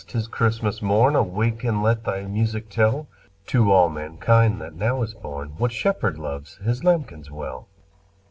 't is Christmas morn Awake and let thy music tell To all mankind that now is born What Shepherd loves His lambkins well!"